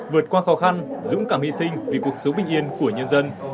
vượt qua khó khăn dũng cảm hy sinh vì cuộc sống bình yên của nhân dân